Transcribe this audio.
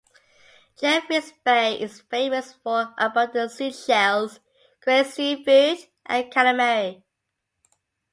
Jeffreys Bay is famous for abundant seashells, great seafood and calamari.